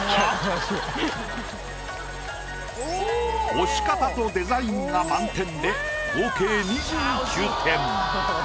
押し方とデザインが満点で合計２９点。